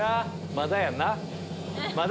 まだやんな？